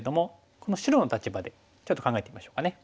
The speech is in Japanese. この白の立場でちょっと考えてみましょうかね。